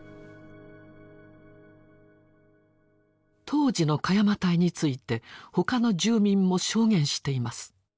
当時の鹿山隊について他の住民も証言しています。